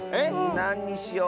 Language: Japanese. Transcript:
なんにしよう？